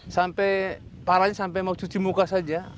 sampai parahnya sampai mau cuci muka saja